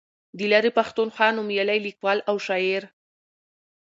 د لرې پښتونخوا نومیالی لیکوال او شاعر